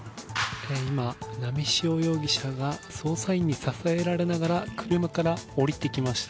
今、波汐容疑者が捜査員に支えられながら車から降りてきました。